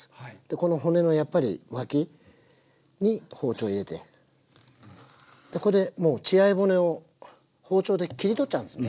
この骨のやっぱり脇に包丁入れてこれでもう血合い骨を包丁で切り取っちゃうんですね。